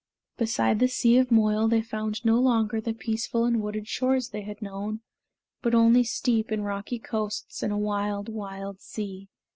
Beside the sea of Moyle they found no longer the peaceful and wooded shores they had known, but only steep and rocky coasts and a wild, wild sea.